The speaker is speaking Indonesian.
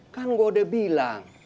kan gue udah bilang